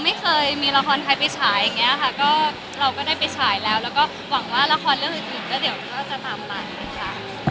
ไม่เคยมีละครไทยไปฉายอย่างเงี้ยค่ะก็เราก็ได้ไปฉายแล้วแล้วก็หวังว่าละครเรื่องอื่นก็เดี๋ยวก็จะตามมาค่ะ